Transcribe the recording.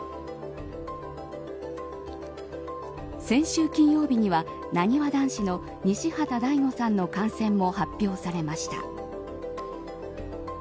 先週金曜日にはなにわ男子の西畑大吾さんの感染も発表されました。